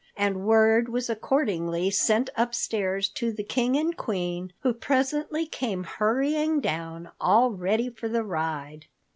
And word was accordingly sent upstairs to the King and Queen who presently came hurrying down, all ready for the ride.